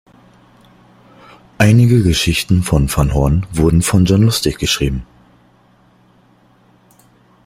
Einige der Geschichten von Van Horn wurden von John Lustig geschrieben.